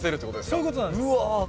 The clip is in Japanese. そういう事なんです。